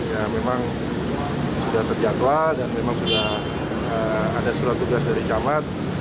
ya memang sudah terjatual dan memang sudah ada surat tugas dari camat